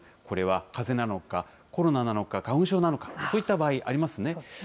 これはかぜなのか、コロナなのか、花粉症なのか、そういった場合ありますね。